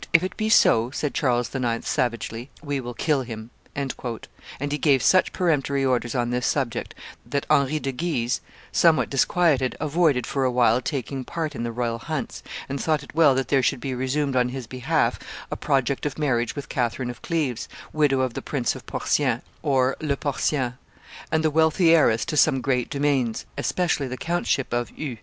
"If it be so," said Charles IX., savagely, "we will kill him;" and he gave such peremptory orders on this subject, that Henry de Guise, somewhat disquieted, avoided for a while taking part in the royal hunts, and thought it well that there should be resumed on his behalf a project of marriage with Catherine of Cleves, widow of the Prince of Portien (Le Porcien) and the wealthy heiress to some great domains, especially the countship of Eu.